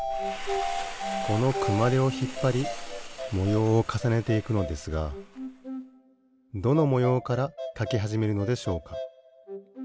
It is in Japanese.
このくまでをひっぱりもようをかさねていくのですがどのもようからかきはじめるのでしょうか？